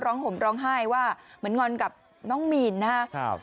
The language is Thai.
ห่มร้องไห้ว่าเหมือนงอนกับน้องมีนนะครับ